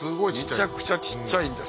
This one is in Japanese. めちゃくちゃちっちゃいんです。